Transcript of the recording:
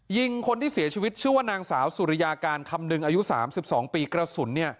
ยิงคนที่เสียชีวิตชื่อว่านางสาวสุริยาการคำนึงอายุ๓๒ปีกระสุน